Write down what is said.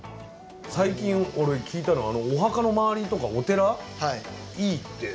最近、俺、聞いたのはお墓の周りとかお寺いいって。